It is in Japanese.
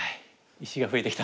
石が増えてきた。